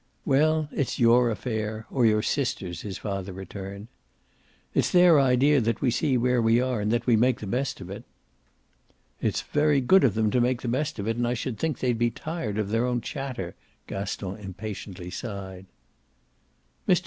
"Well, it's your affair or your sisters'," his father returned. "It's their idea that we see where we are and that we make the best of it." "It's very good of them to make the best of it and I should think they'd be tired of their own chatter," Gaston impatiently sighed. Mr.